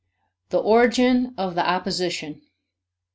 The Origin of the Opposition.